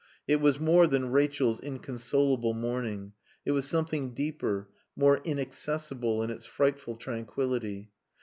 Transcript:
It was more than Rachel's inconsolable mourning, it was something deeper, more inaccessible in its frightful tranquillity.